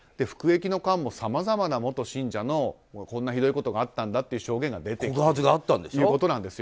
服役の間もさまざまな元信者のこんなひどいことがあったんだという証言が出てきたと。